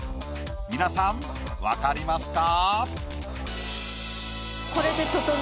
皆さん分かりますか？